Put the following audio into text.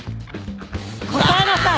答えなさい！